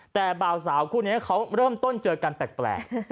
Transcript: แต่บ่าวสาวคู่นี้เขาเริ่มต้นเจอกันแปลก